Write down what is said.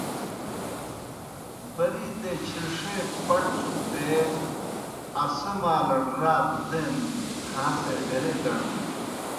بَرِیتے چِھرݜے پٹ چُکٹے اسہ مالڑ راتَ دینَن کھاں سے ڈیرے دڑ بِی۔